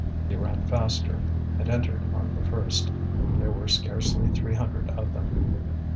He ran faster, and entered among the first. There were scarcely three hundred of them.